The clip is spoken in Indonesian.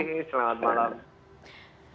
terima kasih selamat malam